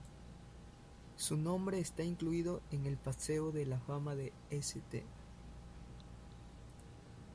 Su nombre está incluido en el "Paseo de la Fama" de St.